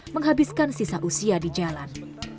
menghabiskan sisa usia di jalan